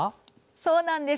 そうなんです。